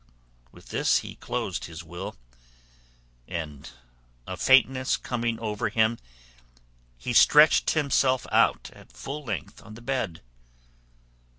With this he closed his will, and a faintness coming over him he stretched himself out at full length on the bed.